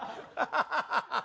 ハハハハ！